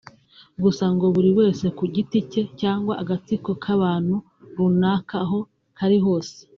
Gusa ngo buri wese ku giti cye cyangwa agatsiko k’abantu runaka aho kari hose